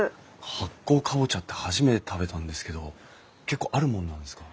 発酵カボチャって初めて食べたんですけど結構あるもんなんですか？